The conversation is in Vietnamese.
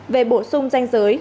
về bổ sung danh giới